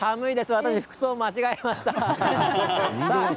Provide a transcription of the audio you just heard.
私、服装を間違えました。